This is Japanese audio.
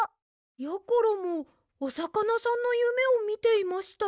やころもおさかなさんのゆめをみていました。